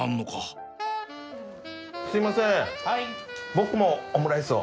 僕もオムライスを。